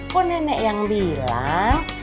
kok nenek yang bilang